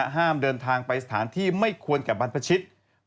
ห้ามเดินทางไปสถานที่ไม่ควรกับบรรพชิต